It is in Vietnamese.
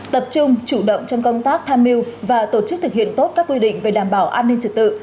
tập trung chủ động trong công tác tham mưu và tổ chức thực hiện tốt các quy định về đảm bảo an ninh trật tự